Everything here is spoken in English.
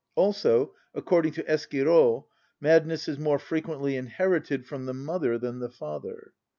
Also, according to Esquirol, madness is more frequently inherited from the mother than the father.